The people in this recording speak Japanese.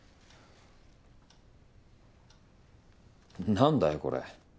何だよこれ。